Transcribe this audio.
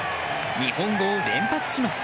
日本語を連発します。